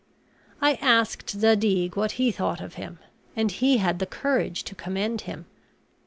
I asked Zadig what he thought of him, and he had the courage to commend him.